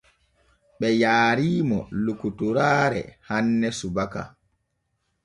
Ɓe yaariimo lokotoraare hanne subaka.